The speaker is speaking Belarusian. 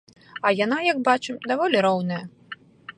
А яна, як бачым, даволі роўная.